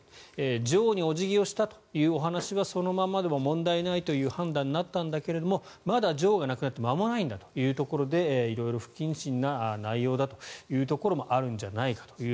女王にお辞儀をしたというお話はそのままでも問題ないという判断になったんだけどまだ女王が亡くなって間もないんだというところで色々と不謹慎な内容だというところもあるんじゃないかと。